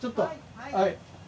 はい。